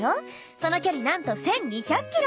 その距離なんと１，２００キロ！